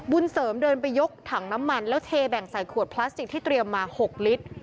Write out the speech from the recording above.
บุญเสริมเดินไปยกถังน้ำมันแล้วเทแบ่งใส่ขวดพลาสติกที่เตรียมมา๖ลิตร